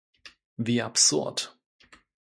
Wie absurd!